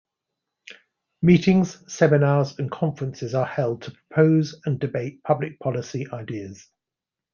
Meetings, seminars and conferences are held to propose and debate public policy ideas.